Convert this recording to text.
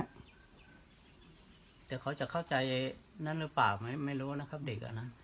คลแต่เขาจะเข้าใจหรือป่าวไหมไม่รู้นะครับเด็กอะนะ